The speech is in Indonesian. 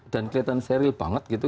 dan kelihatan seril banget gitu